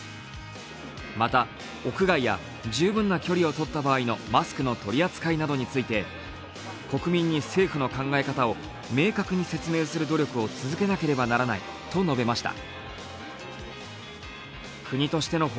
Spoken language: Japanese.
また、屋外や十分な距離を取った場合のマスクの取り扱いなどについて国民に政府の考え方を明確に説明する努力を続けなければならないと述べました。